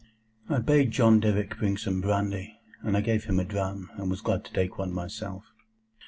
I bade John Derrick bring some brandy, and I gave him a dram, and was glad to take one myself.